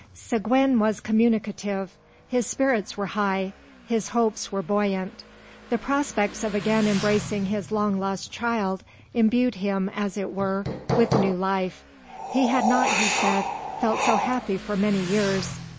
Seguin was communicative. His spirits were high. His hopes were buoyant. The prospect of again embracing his long lost child imbued him, as it were, with new life. He had not, he said, felt so happy for many years.